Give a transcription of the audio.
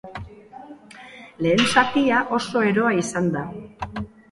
Lehen zatia oso eroa izan da.